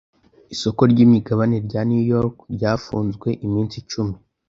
Isoko ryimigabane rya New York ryafunzwe iminsi icumi.